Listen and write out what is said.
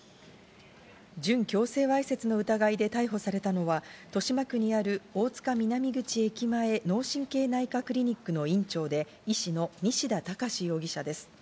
準強制わいせつの疑いで逮捕されたのは豊島区にある、大塚南口駅前脳神経内科クリニックの院長で、医師の西田隆容疑者です。